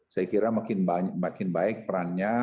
saya kira makin baik perannya